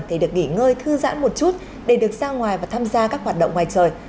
thì được nghỉ ngơi thư giãn một chút để được ra ngoài và tham gia các hoạt động ngoài trời